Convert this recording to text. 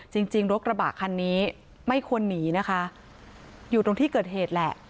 จริงจริงรถกระบะคันนี้ไม่ควรหนีนะคะอยู่ตรงที่เกิดเหตุแหละ